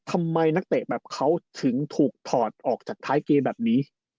นักเตะแบบเขาถึงถูกถอดออกจากท้ายเกมแบบนี้